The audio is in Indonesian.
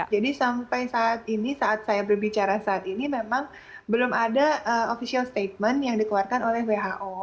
jadi sampai saat ini saat saya berbicara saat ini memang belum ada official statement yang dikeluarkan oleh who